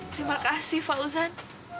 terima kasih fauzan